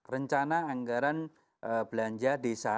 rencana anggaran belanja desa